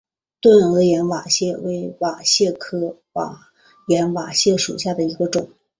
钝额岩瓷蟹为瓷蟹科岩瓷蟹属下的一个种。